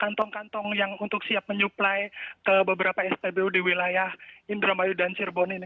kantong kantong yang untuk siap menyuplai ke beberapa spbu di wilayah indramayu dan cirebon ini